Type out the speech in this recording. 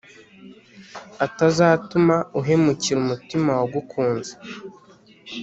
atazatuma uhemukira umutima wagukunze